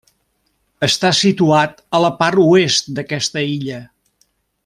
Està situat a la part oest d'aquesta illa.